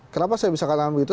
kenapa saya bisa katakan begitu